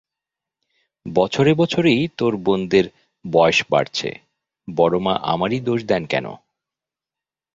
বছরে বছরেই তোর বোনদের বয়স বাড়ছে, বড়োমা আমারই দোষ দেন কেন?